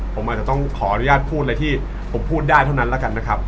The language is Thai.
ผมอาจจะต้องขออนุญาตพูดอะไรที่ผมพูดได้เท่านั้นแล้วกันนะครับ